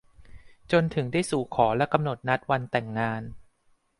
จนถึงได้สู่ขอและกำหนดนัดวันแต่งงาน